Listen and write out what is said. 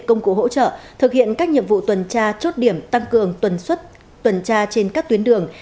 công cụ hỗ trợ thực hiện các nhiệm vụ tuần tra chốt điểm tăng cường tuần suất tuần tra trên các tuyến đường